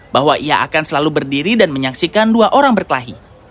bahwa ia akan selalu berdiri dan menyaksikan dua orang berkelahi